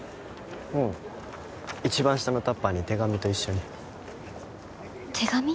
うん一番下のタッパーに手紙と一緒に手紙？